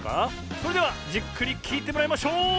それではじっくりきいてもらいましょう！